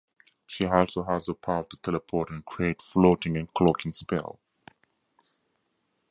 She also has the power to teleport and create floating and cloaking spells.